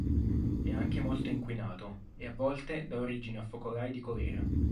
È anche molto inquinato, e a volte dà origine a focolai di colera.